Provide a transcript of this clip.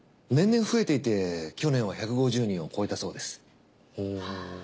年々増えていて去年は１５０人を超えたそうです。